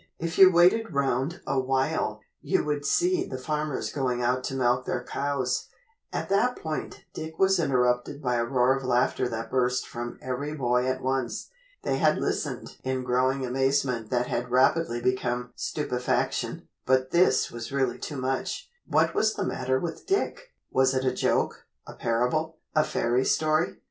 If you waited round a while, you would see the farmers going out to milk their cows " At that point, Dick was interrupted by a roar of laughter that burst from every boy at once. They had listened in growing amazement that had rapidly become stupefaction, but this was really too much. What was the matter with Dick? Was it a joke, a parable, a fairy story?